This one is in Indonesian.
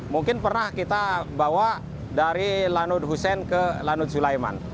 mungkin pernah kita bawa dari lanut hussein ke lanut sulaiman